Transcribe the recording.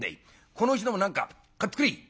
このうちのもん何か買ってくれ」。